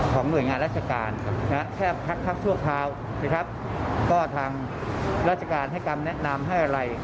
ซึ่งถ้าเกิดผู้ป่วยอาลัยการหนักอันนี้ต้องทำไร